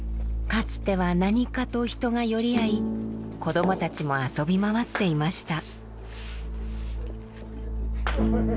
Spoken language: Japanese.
かつては何かと人が寄り合い子どもたちも遊び回っていました。